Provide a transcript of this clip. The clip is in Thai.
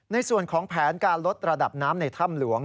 ในส่วนของแผนการลดระดับน้ำในถ้ำหลวง